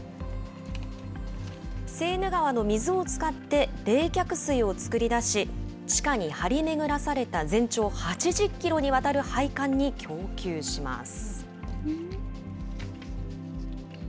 セーヌ川の水を使って冷却水を作り出し、地下に張り巡らされた全長８０キロにわたる配管に供給します。